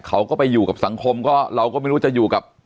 เขาก็ไปอยู่กับสังคมก็เราก็ไม่รู้จะอยู่กับ